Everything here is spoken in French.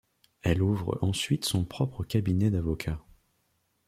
Elle ouvre ensuite son propre cabinet d'avocats.